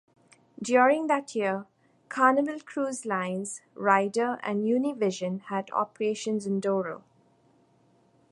During that year Carnival Cruise Lines, Ryder, and Univision had operations in Doral.